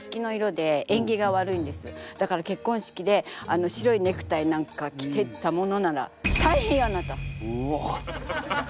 だから結婚式であの白いネクタイなんか着てったものならうわっ。